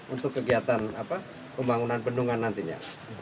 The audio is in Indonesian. untuk kegiatan pembangunan bendungan nantinya